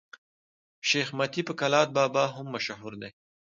شېخ متي په کلات بابا هم مشهور دئ.